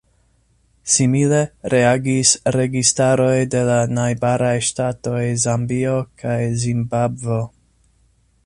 Simile reagis registaroj de la najbaraj ŝtatoj Zambio kaj Zimbabvo.